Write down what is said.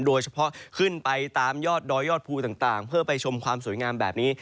ขึ้นไปตามยอดดอยยอดภูต่างเพื่อไปชมความสวยงามแบบนี้